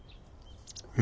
え？